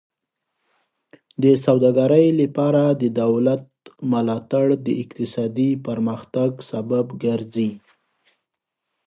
د سوداګرۍ لپاره د دولت ملاتړ د اقتصادي پرمختګ سبب ګرځي.